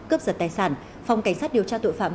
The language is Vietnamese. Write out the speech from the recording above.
cướp giật tài sản phòng cảnh sát điều tra tội phạm